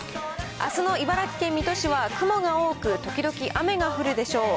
あすの茨城県水戸市は雲が多く、時々雨が降るでしょう。